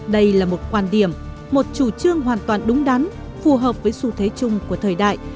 đây là một quan điểm một chủ trương hoàn toàn đúng đắn phù hợp với xu thế chung của thời đại